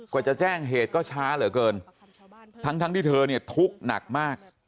จะแจ้งเหตุก็ช้าเหลือเกินทั้งทั้งที่เธอเนี่ยทุกข์หนักมาก